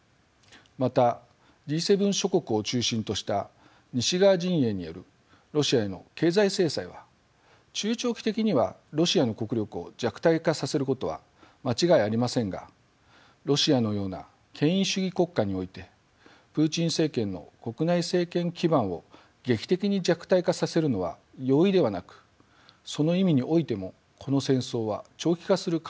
またＧ７諸国を中心とした西側陣営によるロシアへの経済制裁は中長期的にはロシアの国力を弱体化させることは間違いありませんがロシアのような権威主義国家においてプーチン政権の国内政権基盤を劇的に弱体化させるのは容易ではなくその意味においてもこの戦争は長期化する可能性が極めて高い。